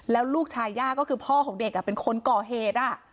แล้วลูกชายย่าก็คือพ่อของเด็กเป็นคนก่อเหตุ